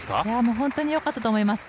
本当によかったと思います。